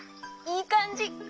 いいかんじ！